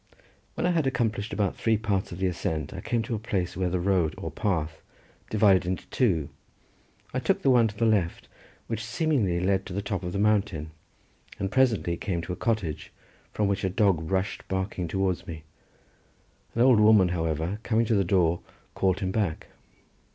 When I had accomplished about three parts of the ascent I came to a place where the road, or path, divided into two. I took the one to the left, which seemingly led to the top of the mountain, and presently came to a cottage from which a dog rushed barking towards me; an old woman, however, coming to the door, called him back.